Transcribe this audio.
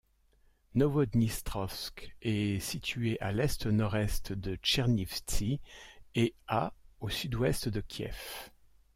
Novodnistrovsk est située à à l'est-nord-est de Tchernivtsi et à au sud-ouest de Kiev.